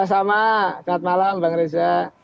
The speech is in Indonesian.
sama selamat malam bang reza